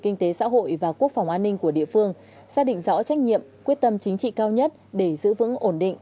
kinh tế xã hội và quốc phòng an ninh của địa phương xác định rõ trách nhiệm quyết tâm chính trị cao nhất để giữ vững ổn định